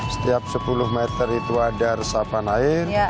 setiap sepuluh meter itu ada resapan air